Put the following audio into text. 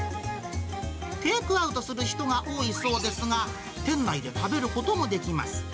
テイクアウトする人が多いそうですが、店内で食べることもできます。